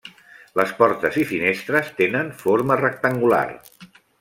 Les portes i finestres tenen forma rectangular.